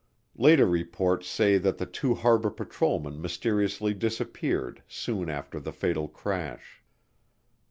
Later reports say that the two harbor patrolmen mysteriously disappeared soon after the fatal crash.